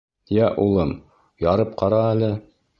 — Йә, улым, ярып ҡара әле.